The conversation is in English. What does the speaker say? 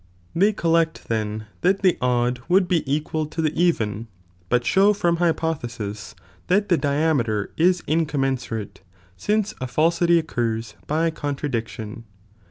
I i They collect then that the odd would be equal to the even, but show from hypothesis that tho diameter is incommen surate, since a falsity occurs by contradiction.